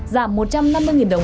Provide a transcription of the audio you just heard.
giảm một trăm năm mươi đồng